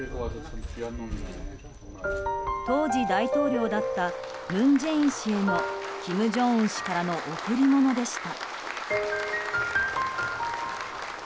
当時、大統領だった文在寅氏への金正恩氏からの贈り物でした。